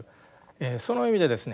その意味でですね